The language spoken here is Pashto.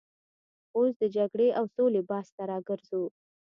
اوس د جګړې او سولې بحث ته راګرځو.